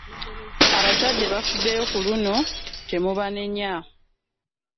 Abazadde bafuddeyo ku luno temubanenya.